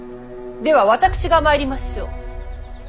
では私が参りましょう。